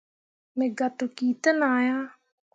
Megah tokki ten ah ya.